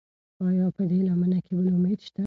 ایا په دې لمنه کې بل امید شته؟